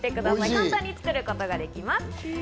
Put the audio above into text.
簡単に作ることができます。